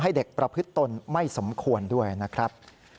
เด็กประพฤติตนไม่สมควรด้วยนะครับ